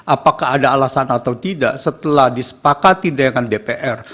apakah ada alasan atau tidak setelah disepakati dengan dpr